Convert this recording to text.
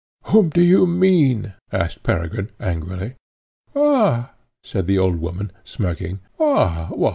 "Whom do you mean?" asked Peregrine angrily. "Ah!" said the old woman, smirking, "ah!